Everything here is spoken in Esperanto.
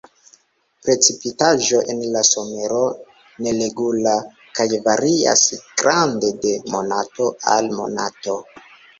Precipitaĵo en la somero neregula kaj varias grande de monato al monato.